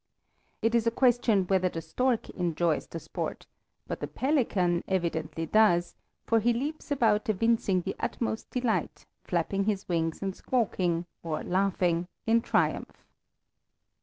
It is a question whether the stork enjoys the sport, but the pelican evidently does, for he leaps about evincing the utmost delight, flapping his wings, and squawking, or laughing, in triumph.